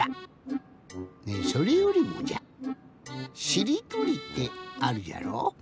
ねえそれよりもじゃしりとりってあるじゃろ？